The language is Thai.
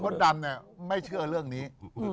ตอนนี้คุณโฮดดัมไม่เชื่อเรื่องนี้